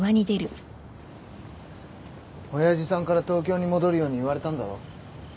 親父さんから東京に戻るように言われたんだろ？